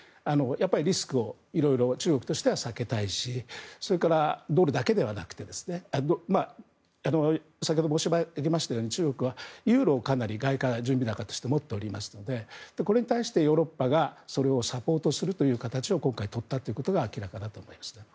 リスクを色々中国としては避けたいしそれからドルだけではなく先ほど申し上げましたように中国はユーロをかなり外貨準備高として持っていますのでこれに対してヨーロッパがそれをサポートするという形を今回、取ったということが明らかだと思います。